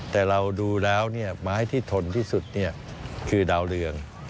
แต่เราดูแล้วไม้ที่ทนที่สุดคือดาวเรือง